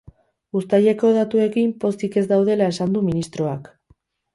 Uztaileko datuekin pozik ez daudela esan du ministroak.